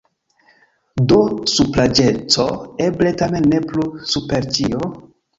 Do supraĵeco eble tamen ne plu super ĉio?